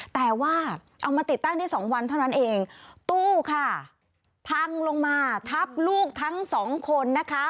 แต่ว่าเอามาติดตั้งได้สองวันเท่านั้นเองตู้ค่ะพังลงมาทับลูกทั้งสองคนนะคะ